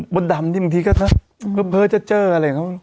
มดดำตรีกละเนี่ยเพื่อเจ้อะไร